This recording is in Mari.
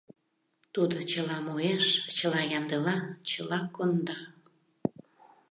Тудо чыла муэш, чыла ямдыла, чыла конда.